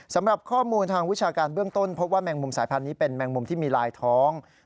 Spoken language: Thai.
สำหรับข้อมูลทางวิชาการเบื้องต้นพบว่าแมงมุมสายพันธุ์นี้เป็นแมงมุมที่มีลายท้อง